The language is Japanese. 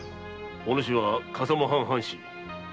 お主は笠間藩・藩士。